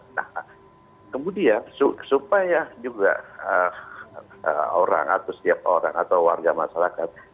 nah kemudian supaya juga orang atau setiap orang atau warga masyarakat